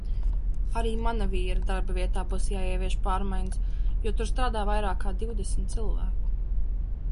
Arī mana vīra darbavietā būs jāievieš pārmaiņas, jo tur strādā vairāk kā divdesmit cilvēku.